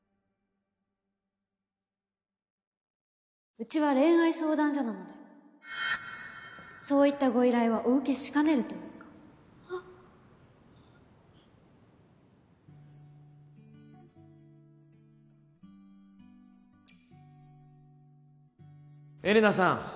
ウチは恋愛相談所なのでそういったご依頼はお受けしかねるというかあエレナさん！